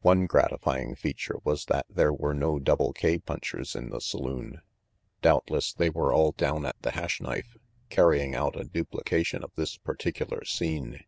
One gratifying feature was that there were no Double K punchers in the saloon. Doubtless they were all down at the Hash Knife, carrying out a dupli cation of this particular scene.